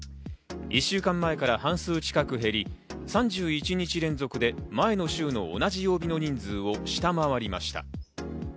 １週間前から半数近く減り、３１日連続で前の週の同じ曜日の人数を下回りました。